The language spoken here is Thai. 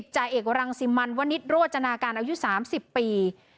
จ่าเอกรังสิมันวนิษฐโรจนาการอายุ๓๐ปี